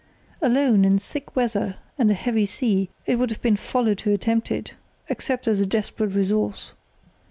Alone, in thick weather and a heavy sea, it would have been folly to attempt it, except as a desperate resource.